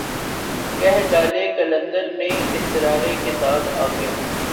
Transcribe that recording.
کہہ ڈالے قلندر نے اسرار کتاب آخر